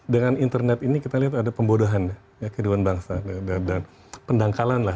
dengan internet ini kita lihat ada pembodohan kehidupan bangsa dan pendangkalan lah